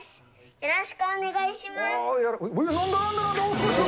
よろしくお願いします。